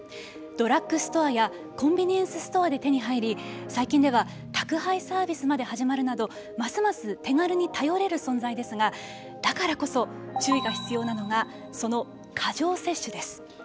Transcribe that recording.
ドラッグストアやコンビニエンスストアで手に入り最近では宅配サービスまで始まるなどますます手軽に頼れる存在ですがだからこそ、注意が必要なのがその過剰摂取です。